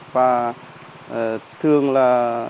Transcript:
và thường là